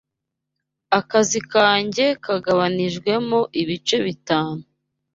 Akazi kanjye kagabanijwemo ibice bitanu